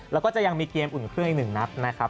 แล้วก็จะยังมีเกมอุ่นเครื่องอีกหนึ่ง